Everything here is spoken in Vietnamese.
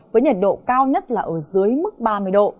với nhiệt độ cao nhất là ở dưới mức ba mươi độ